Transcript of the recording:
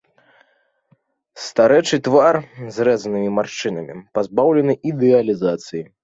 Старэчы твар, зрэзаны маршчынамі, пазбаўлены ідэалізацыі.